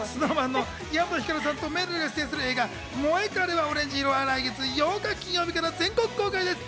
ＳｎｏｗＭａｎの岩本照さんとめるるが出演する映画『モエカレはオレンジ色』は来月８日金曜日から全国公開です。